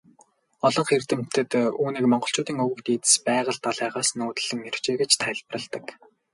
Олонх эрдэмтэд үүнийг монголчуудын өвөг дээдэс Байгал далайгаас нүүдэллэн иржээ гэж тайлбарладаг.